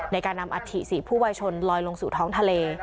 ในการนำอัฐิ๔ผู้วัยชนลอยลงสู่ท้องทะเล